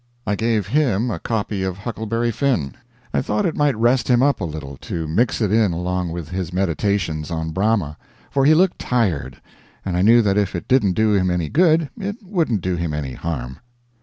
I gave him a copy of Huckleberry Finn. I thought it might rest him up a little to mix it in along with his meditations on Brahma, for he looked tired, and I knew that if it didn't do him any good it wouldn't do him any harm.